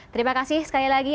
terima kasih sekali lagi